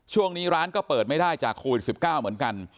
ช่วงนี้ร้านก็เปิดไม่ได้จากโควิด๑๙เหมือนกัน